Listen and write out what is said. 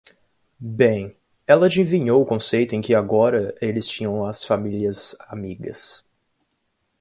Bem, ela adivinhou o conceito em que agora eles tinham as famílias amigas.